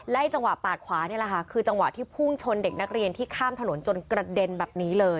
จังหวะปาดขวานี่แหละค่ะคือจังหวะที่พุ่งชนเด็กนักเรียนที่ข้ามถนนจนกระเด็นแบบนี้เลย